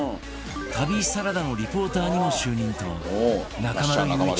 『旅サラダ』のリポーターにも就任と中丸雄一